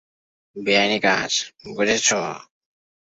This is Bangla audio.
বেআইনি কাজ, বুঝেছো?